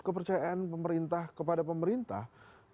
kepercayaan pemerintah kepada pemerintah